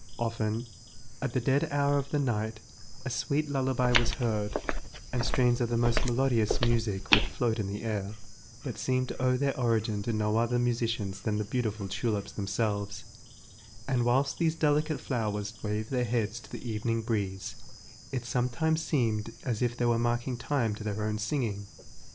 Often, at the dead hour of the night, a sweet lullaby was heard, and strains of the most melodious music would float in the air, that seemed to owe their origin to no other musicians than the beautiful tulips themselves, and whilst these delicate flowers waved their heads to the evening breeze, it sometimes seemed as if they were marking time to their own singing.